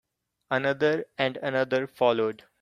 Another and another followed.